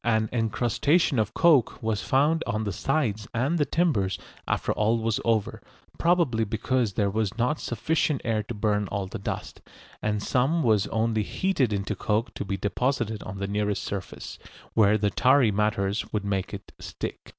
An encrustation of coke was found on the sides and the timbers after all was over, probably because there was not sufficient air to burn all the dust, and some was only heated into coke to be deposited on the nearest surface, where the tarry matters would make it stick.